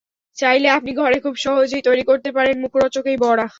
চাইলে আপনি ঘরে খুব সহজেই তৈরি করতে পারেন মুখোরোচক এই বড়া।